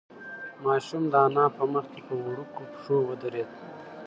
ماشوم د انا په مخ کې په وړوکو پښو ودرېد.